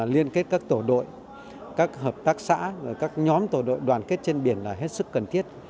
liên kết các tổ đội các hợp tác xã các nhóm tổ đội đoàn kết trên biển là hết sức cần thiết